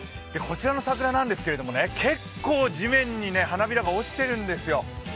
こちらの桜なんですけれども、結構地面に花びらが落ちているんですよ。